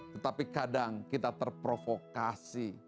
tetapi kadang kita terprovokasi